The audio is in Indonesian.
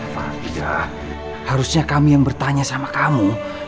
fadiga harusnya kami yang bertanya sama kamu